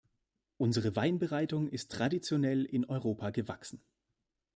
Unsere Weinbereitung ist traditionell in Europa gewachsen.